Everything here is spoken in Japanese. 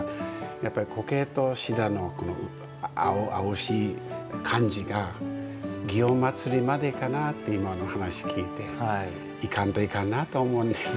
やっぱり苔としだの青々しい感じが祇園祭までかなって今の話を聞いて行かんといかんなと思うんです。